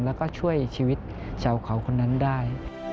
แล้วก็ช่วยชีวิตชาวเขาคนนั้นได้